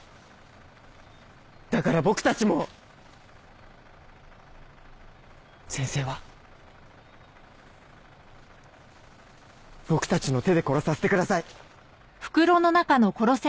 だから僕たちも先生は僕たちの手で殺させてください